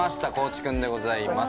地君でございます。